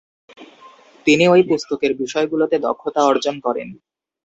তিনি ঐ পুস্তকের বিষয়গুলোতে দক্ষতা অর্জন করেন।